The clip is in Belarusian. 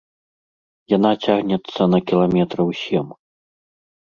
Яна цягнецца на кіламетраў сем.